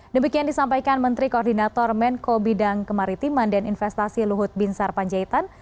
demikian disampaikan menteri koordinator menko bidang kemaritiman dan investasi luhut binsar panjaitan